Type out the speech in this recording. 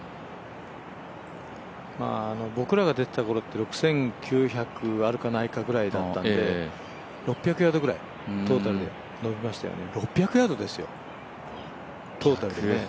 僕らが出てたころって６９００あるかないかだったんで６００ヤードぐらいトータルで延びましたよね。